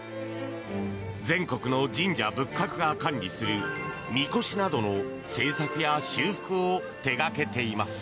全国の神社仏閣が管理するみこしなどの製作や修復を手掛けています。